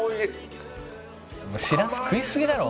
「しらす食いすぎだろ」